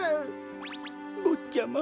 ぼっちゃま。